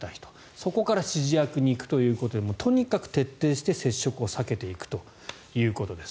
そこから指示役に行くということでとにかく徹底して接触を避けていくということです